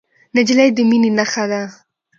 نجلۍ د مینې نښه ده.